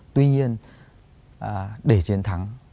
tuy nhiên để chiến thắng